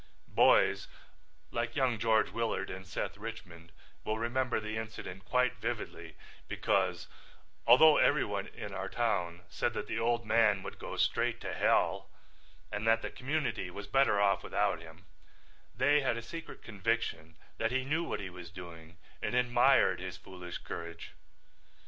Boys like young George Willard and Seth Richmond will remember the incident quite vividly because, although everyone in our town said that the old man would go straight to hell and that the community was better off without him, they had a secret conviction that he knew what he was doing and admired his foolish courage.